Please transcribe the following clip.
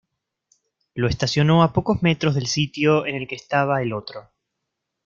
Lo estacionó a pocos metros del sitio en el que estaba el otro.